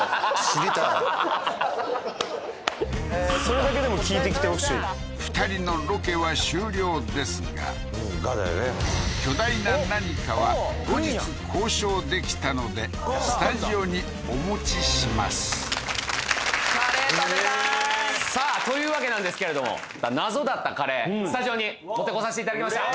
知りたいそれだけでも聞いてきてほしい２人のロケは終了ですが巨大な何かは後日交渉できたのでスタジオにお持ちしますさあというわけなんですけれども謎だったカレースタジオに持ってこさしていただきました